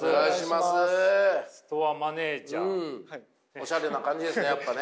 おしゃれな感じですねやっぱね。